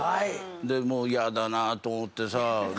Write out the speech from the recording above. もうヤダなと思ってさ。